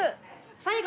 最後。